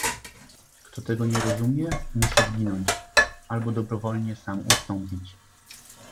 "Kto tego nie rozumie, musi zginąć, albo dobrowolnie sam ustąpić..."